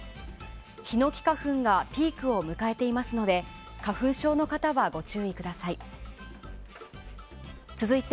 ヒノキ花粉がピークを迎えていますので花粉症の方はご注意ください。